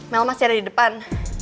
mel masih ada di depan